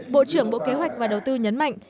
bộ trưởng bộ kế hoạch và đầu tư nhấn mạnh